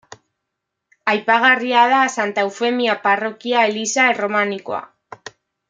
Aipagarria da Santa Eufemia parrokia-eliza erromanikoa.